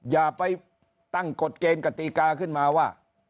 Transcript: อย่าไปตั้งกฎเกณฑ์กติกาขึ้นมาว่า